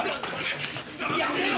やめろ！